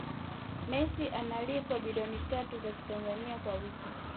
messi analipwa bilioni tatu za kitanzania kwa wiki